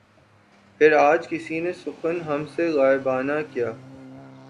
پھر آج کس نے سخن ہم سے غائبانہ کیا